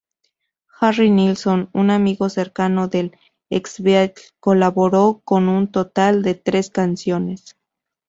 Harry Nilsson, un amigo cercano del ex-Beatle, colaboró con un total de tres canciones.